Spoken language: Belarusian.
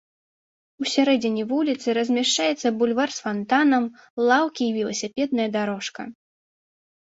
Усярэдзіне вуліцы размяшчаецца бульвар з фантанам, лаўкі і веласіпедная дарожка.